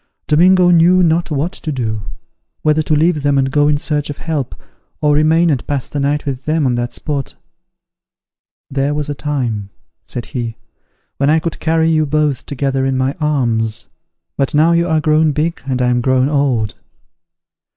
Domingo knew not what to do; whether to leave them and go in search of help, or remain and pass the night with them on that spot. "There was a time," said he, "when I could carry you both together in my arms! But now you are grown big, and I am grown old."